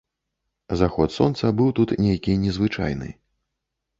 Заход сонца быў тут нейкі незвычайны.